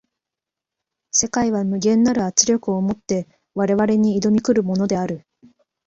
世界は無限なる圧力を以て我々に臨み来るものである。